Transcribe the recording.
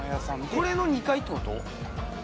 これの２階ってこと？